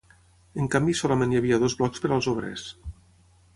En canvi solament hi havia dos blocs per als obrers.